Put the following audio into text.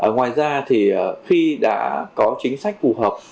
ngoài ra thì khi đã có chính sách phù hợp